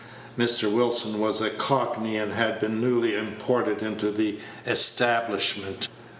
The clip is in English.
Mr. Wilson was a Cockney, and had been newly imported into the establishment.